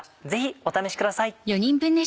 ぜひお試しください。